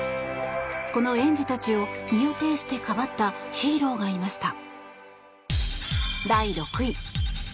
この園児たちを身をていしてかばったヒーローがいました。